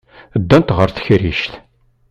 Ddant ɣer tekrict.